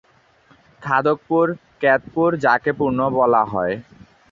খাদকপুর, কেতপুর, যাকে পূর্ণ বলা হয়।